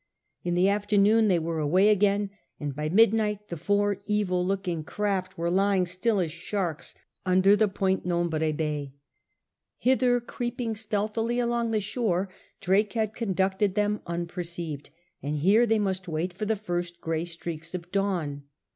In the afternoon they were away again, and by midnight the four evil looking craft were lying still as sharks under the point Nombre Bay. Hither, creeping stealthily along the shore, Drake had conducted them unperceived, and iere they must wait for the first gray streaks of dawn.